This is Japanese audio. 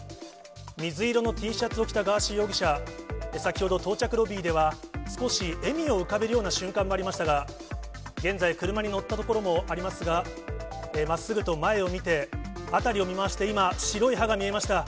水色のＴシャツを着たガーシー容疑者、先ほど到着ロビーでは、少し笑みを浮かべるような瞬間もありましたが、現在、車に乗ったところもありますが、まっすぐと前を見て、辺りを見回して、今、白い歯が見えました。